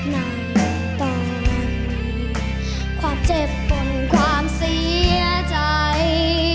นายตอนนี้ความเจ็บข้นความเสียใจ